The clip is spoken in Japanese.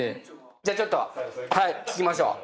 じゃあちょっと聞きましょう。